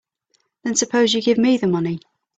Then suppose you give me the money.